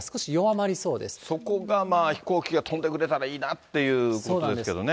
そこがまあ、飛行機が飛んでくれたらいいなっていうところなんですけどね。